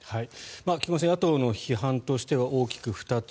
菊間さん野党の批判としては大きく２つ。